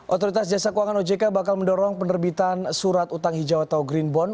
otoritas jasa keuangan ojk bakal mendorong penerbitan surat utang hijau atau green bond